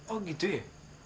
oh gitu ya